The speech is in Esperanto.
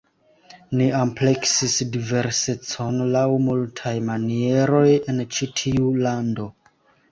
Ni ampleksis diversecon laŭ multaj manieroj en ĉi tiu lando.